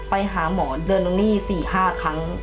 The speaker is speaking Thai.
ไปหาหมอเดินตรงนี้สี่ห้าครั้ง